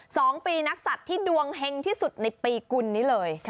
สองปีนักศัตริย์ที่ดวงเฮงที่สุดในปีกุลนี้เลย